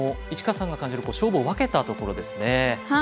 市川さんが感じる勝負を分けたところですね。